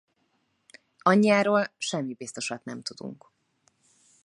Anyjáról semmi biztosat nem tudunk.